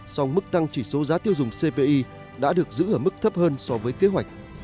song mức tăng chỉ số giá tiêu dùng cpi đã được giữ ở mức thấp hơn so với kế hoạch